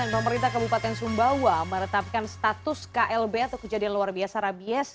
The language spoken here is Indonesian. pemerintah kabupaten sumbawa meretapkan status klb atau kejadian luar biasa rabies